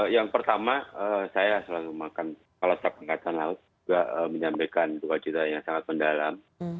yang pertama saya selalu mengangkat kalausah kri nanggala empat ratus dua juga menyampaikan dua cerita yang sangat mendalam